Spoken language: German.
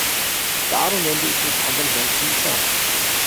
Darum wende ich mich an den Herrn Kommissar.